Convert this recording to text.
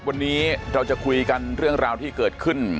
วันนี้เราจะคุยกันเรื่องราวที่เกิดขึ้น